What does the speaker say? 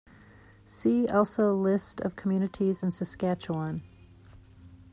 See also List of communities in Saskatchewan.